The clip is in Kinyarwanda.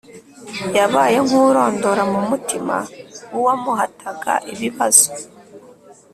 yabaye nk’urondora mu mutima w’uwamuhataga ibibazo